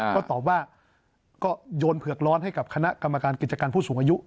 ก็ตอบว่าก็โยนเผือกร้อนให้กับคณะกรรมการกิจการผู้สูงอายุ